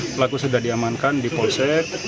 pelaku sudah diamankan di polsek